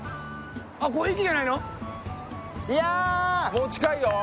もう近いよ